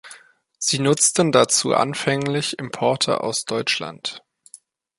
Sie nutzten dazu anfänglich Importe aus Deutschland.